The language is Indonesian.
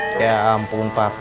sahurnya bangun mas